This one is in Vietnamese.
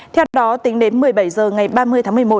theo đó tính đến một mươi bảy h ngày ba mươi tháng một mươi một